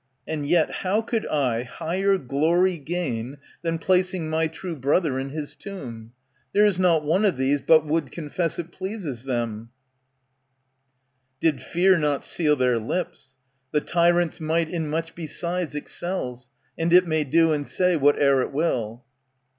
And yet how could I higher glory gain Than placing my true brother in his tomb ? There is not one of these but would confess It pleases them, did fear not seal their lips. The tyrant's might in much besides excels. And it may do and say whatever it will.